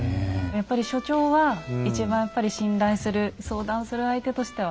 やっぱり所長は一番やっぱり信頼する相談する相手としては？